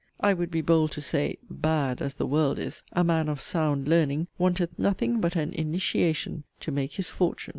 And I would be bold to say ('bad' as the 'world' is) a man of 'sound learning' wanteth nothing but an 'initiation' to make his 'fortune.'